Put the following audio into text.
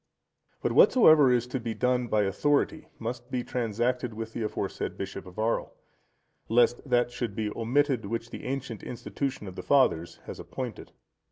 But whatsoever is to be done by authority, must be transacted with the aforesaid bishop of Arles, lest that should be omitted, which the ancient institution of the fathers has appointed.